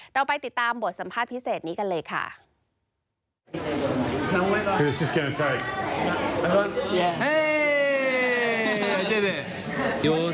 เราไปติดตามบทสัมภาษณ์พิเศษนี้กันเลยค่ะ